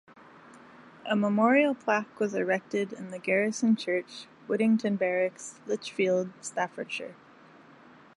A memorial plaque was erected in the Garrison Church, Whittington Barracks, Lichfield, Staffordshire.